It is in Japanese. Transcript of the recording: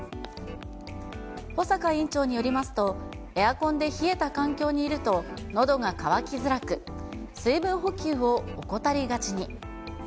保坂院長によりますと、エアコンで冷えた環境にいると、のどが渇きづらく、水分補給を怠りがちに。